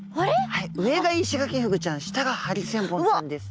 はい上がイシガキフグちゃん下がハリセンボンちゃんです。